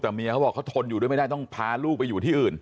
แต่เมียเขาบอกเขาทนอยู่ด้วยไม่ได้ต้องพาลูกไปอยู่ที่อื่น